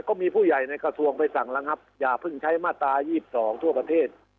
ก็มีผู้ใหญ่ในกระทรวงไปสั่งแล้วครับอย่าเพิ่งใช้มาตรา๒๒ทั่วประเทศ